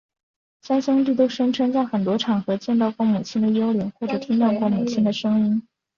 三兄弟都声称在很多场合见到过母亲的幽灵或者听到过母亲的声音。